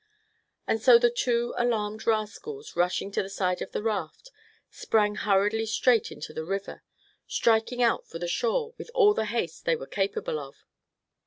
And so the two alarmed rascals, rushing to the side of the raft, sprang hurriedly straight into the river, striking out for the shore with all the haste they were capable of.